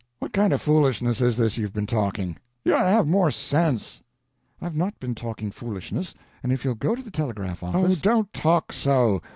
What kind of foolishness is this you've been talking. You ought to have more sense." "I've not been talking foolishness; and if you'll go to the telegraph office—" "Oh; don't talk so.